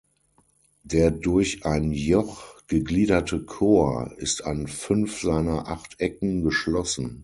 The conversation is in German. Der durch ein Joch gegliederte Chor ist an fünf seiner acht Ecken geschlossen.